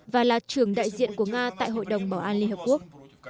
và là trưởng đại diện của nga tại hội đồng bảo an liên hợp quốc